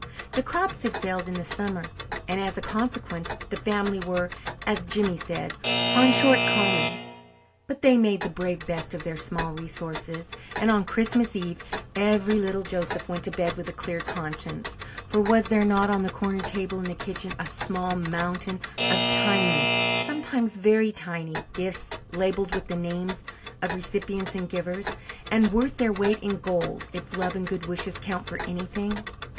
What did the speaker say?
The crops had failed in the summer, and as a consequence the family were, as Jimmy said, "on short commons." But they made the brave best of their small resources, and on Christmas Eve every little Joseph went to bed with a clear conscience, for was there not on the corner table in the kitchen a small mountain of tiny sometimes very tiny gifts labelled with the names of recipients and givers, and worth their weight in gold if love and good wishes count for anything?